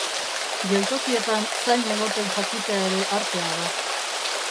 Geltokietan zain egoten jakitea ere artea da.